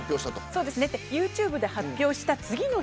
ユーチューブで発表したと。